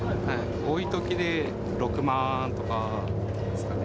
多いときで６万とかですかね。